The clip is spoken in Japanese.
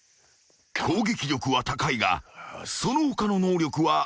［攻撃力は高いがその他の能力は未知数］